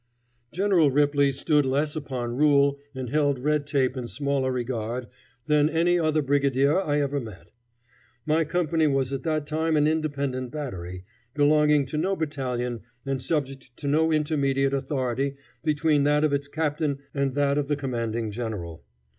General Ripley stood less upon rule and held red tape in smaller regard than any other brigadier I ever met. My company was at that time an independent battery, belonging to no battalion and subject to no intermediate authority between that of its captain and that of the commanding general.